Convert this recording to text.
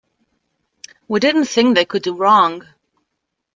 We didn’t think they could do wrong.